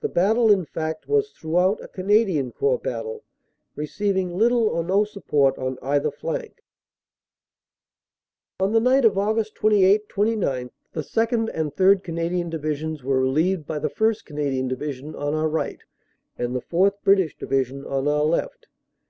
The battle, in fact, was throughout a Canadian Corps battle, receiving little or no support on either flank. On the night of Aug. 28 29 the 2nd. and 3rd. Canadian Divisions were relieved by the 1st. Canadian Division on our right and the 4th. British Division on our left.